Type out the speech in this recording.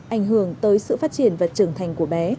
ảnh hưởng tới sự phát triển và trưởng thành của bé